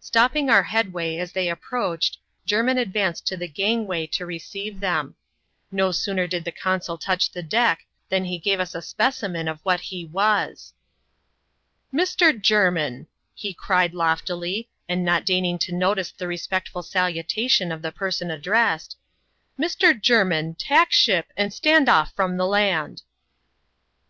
Stopping our headway as they approached, Jermin advanced to the gangway to receive them. No sooner did the consul touch the deck, than he gave us a epeeim^ii ol ^v^Wx. Vi<^ vras. CHAP. XX.] THE ROUND ROBIN VISITORS FROM SHORE. 77 '* Mr. JermiD," he cried loftilj, and not deigning to notice the respectful salutation of the person addressed, ^* Mr. Jerminy tack ship, and stand off from the land."